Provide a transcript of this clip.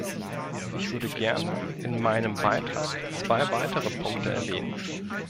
Ich würde gerne in meinem Beitrag zwei weitere Punkte erwähnen.